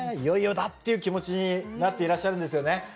いよいよだっていう気持ちになっていらっしゃるんですよね。